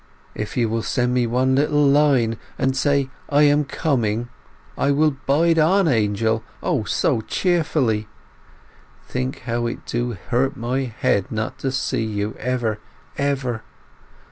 if you will send me one little line, and say, I am coming soon, I will bide on, Angel—O, so cheerfully!... think how it do hurt my heart not to see you ever—ever!